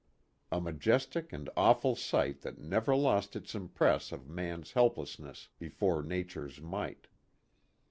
A majestic and awful sight that never lost its im press of man's helplessness before Nature's might.